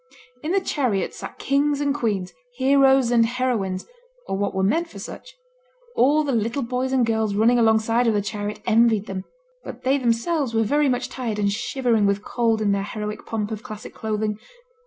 In the chariot sate kings and queens, heroes and heroines, or what were meant for such; all the little boys and girls running alongside of the chariot envied them; but they themselves were very much tired, and shivering with cold in their heroic pomp of classic clothing.